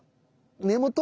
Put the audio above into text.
根元？